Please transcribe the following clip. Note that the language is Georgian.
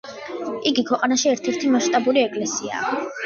იგი ქვეყანაში ერთ-ერთი მასშტაბური ეკლესიაა.